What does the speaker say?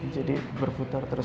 jadi berputar terus